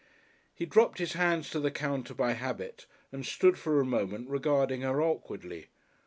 He dropped his hands to the counter by habit and stood for a moment regarding her awkwardly.